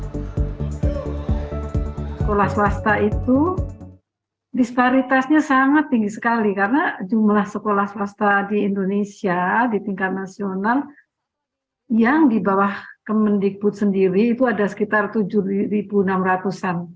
sekolah swasta itu disparitasnya sangat tinggi sekali karena jumlah sekolah swasta di indonesia di tingkat nasional yang di bawah kemendikbud sendiri itu ada sekitar tujuh enam ratus an